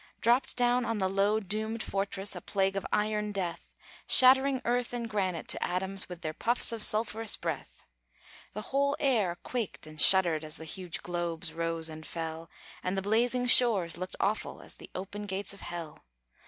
Dropped down on the low, doomed fortress A plague of iron death, Shattering earth and granite to atoms With their puffs of sulphurous breath. The whole air quaked and shuddered As the huge globes rose and fell, And the blazing shores looked awful As the open gates of hell.